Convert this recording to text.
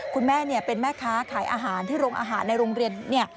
คุณแม่เป็นแม่ค้าขายอาหารที่โรงอาหารในโรงเรียน